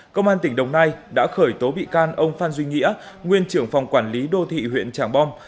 công an tỉnh đồng nai đã khởi tố bị can ông phan duy nghĩa nguyên trưởng phòng quản lý đô thị huyện tràng bom